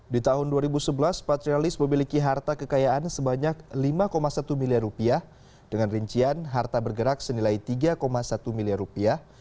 di tahun dua ribu sebelas patrialis memiliki harta kekayaan sebanyak lima satu miliar rupiah dengan rincian harta bergerak senilai tiga satu miliar rupiah